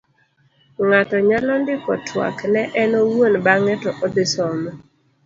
ng'ato nyalo ndiko twak ne en owuon bang'e to odhi some